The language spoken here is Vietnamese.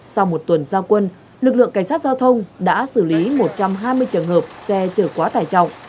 sau một tuần giao quân lực lượng cảnh sát giao thông đã xử lý một trăm hai mươi trường hợp xe chở quá tải trọng